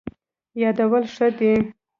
یادول ښه دی.